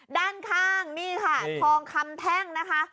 ด้านข้างนี่ค่ะทองคำแท่งนะคะ